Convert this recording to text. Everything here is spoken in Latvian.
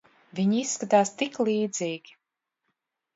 Viņi izskatās tik līdzīgi.